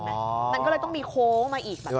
มันก็เลยต้องมีโค้งออกมาอีก